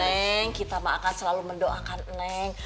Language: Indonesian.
neng kita akan selalu mendoakan neng